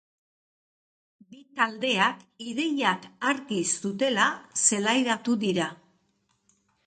Bi taldeak ideiak argi zutela zelairatu dira.